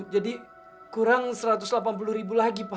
jadi kurang satu ratus delapan puluh ribu lagi pak